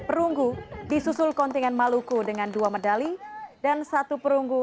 perunggu disusul kontingen maluku dengan dua medali dan satu perunggu